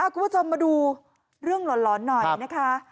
คุณผู้ชมมาดูเรื่องหลอนหน่อยนะคะ